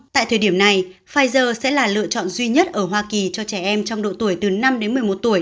tại thời điểm này pfizer sẽ là lựa chọn duy nhất ở hoa kỳ cho trẻ em trong độ tuổi từ năm đến một mươi một tuổi